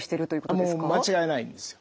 もう間違いないんですよ。